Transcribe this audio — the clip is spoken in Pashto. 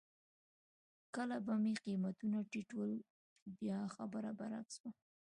کله به چې قېمتونه ټیټ وو بیا خبره برعکس وه.